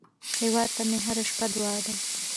هیواد ته مې هره شپه دعا ده